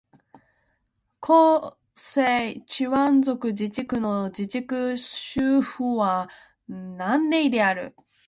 広西チワン族自治区の自治区首府は南寧である